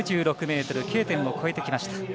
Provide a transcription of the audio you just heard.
９６ｍＫ点を越えてきました。